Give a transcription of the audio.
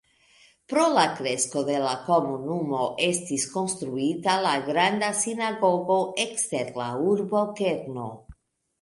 Pro la kresko de la komunumo estis konstruita la Granda sinagogo ekster la urbokerno.